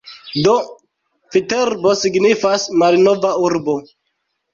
Do Viterbo signifas "malnova urbo".